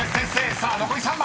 さあ残り３枚］